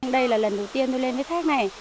đây là lần đầu tiên tôi lên cái thác này